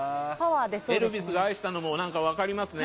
エルヴィスが愛したのも分かりますね。